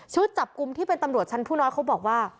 จับกลุ่มที่เป็นตำรวจชั้นผู้น้อยเขาบอกว่า